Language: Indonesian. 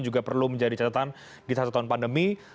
juga perlu menjadi catatan di satu tahun pandemi